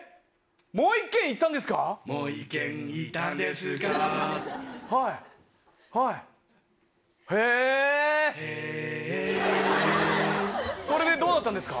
もう一軒行ったんですか。